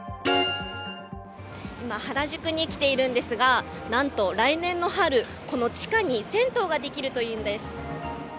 今、原宿に来ているんですがなんと、来年の春この地下に銭湯ができるというのです。